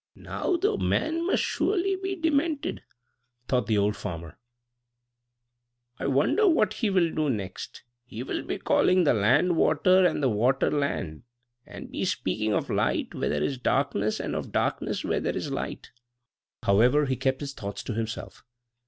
"Now, the man must surely be demented!" thought the old farmer. "I wonder what he will do next? He will be calling the land water, and the water land; and be speaking of light where there is darkness, and of darkness when it is light." However, he kept his thoughts to himself.